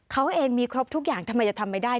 เขาเองมีครบทุกอย่างทำไมจะทำไม่ได้